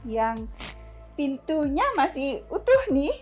yang pintunya masih utuh nih